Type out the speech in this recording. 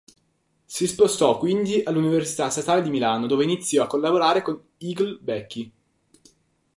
Si spostò quindi all'Università Statale di Milano, dove iniziò a collaborare con Egle Becchi.